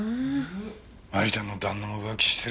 麻里ちゃんの旦那も浮気してるかもよ。